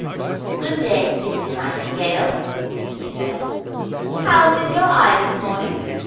"Good day, Sister Nightingale," he said. "How is your eye this morning?